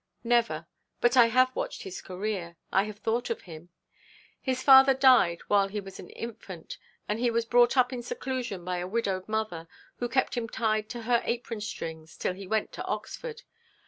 'Never; but I have watched his career, I have thought of him. His father died while he was an infant, and he was brought up in seclusion by a widowed mother, who kept him tied to her apron strings till he went to Oxford.